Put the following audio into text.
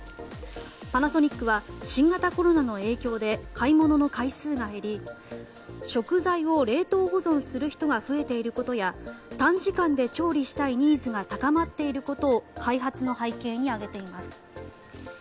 パナソニックは新型コロナの影響で買い物の回数が減り食材を冷凍保存する人が増えていることや短時間で調理したいニーズが高まっていることを開発の背景に挙げています。